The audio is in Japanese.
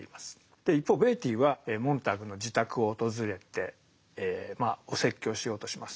で一方ベイティーはモンターグの自宅を訪れてえまあお説教しようとします。